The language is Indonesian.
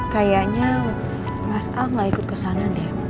kayaknya mas al gak ikut ke sana deh